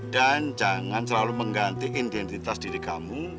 dan jangan selalu mengganti identitas diri kamu